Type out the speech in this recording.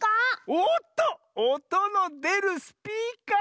おっとおとのでるスピーカー！